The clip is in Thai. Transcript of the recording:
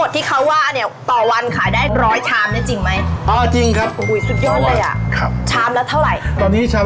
ที่พันธุ์เอาสูตรมาจากไหนครับ